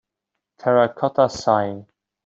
Terracotta Sighing.